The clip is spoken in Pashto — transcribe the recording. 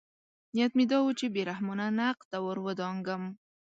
نیت مې دا و چې بې رحمانه نقد ته ورودانګم.